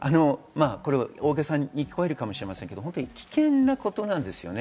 大げさに聞こえるかもしれませんが危険なことなんです。